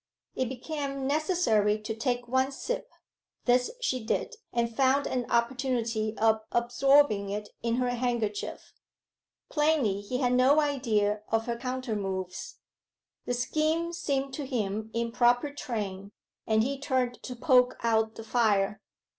It became necessary to take one sip. This she did, and found an opportunity of absorbing it in her handkerchief. Plainly he had no idea of her countermoves. The scheme seemed to him in proper train, and he turned to poke out the fire.